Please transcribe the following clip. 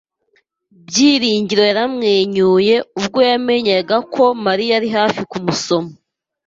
Byiringiro yaramwenyuye ubwo yamenyaga ko Mariya ari hafi kumusoma.